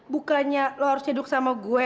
bukannya lo harusnya duduk sama gue